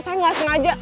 saya gak sengaja